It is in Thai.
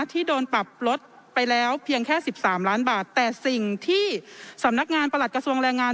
ที่โดนปรับลดไปแล้วเพียงแค่๑๓ล้านบาทแต่สิ่งที่สำนักงานประหลัดกระทรวงแรงงาน